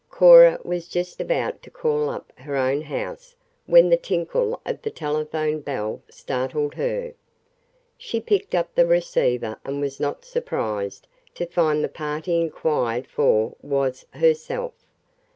Cora was just about to call up her own house when the tinkle of the telephone bell startled her. She picked up the receiver and was not surprised to find the party inquired for was herself.